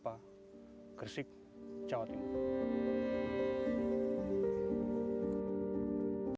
bapak gersik jawa timur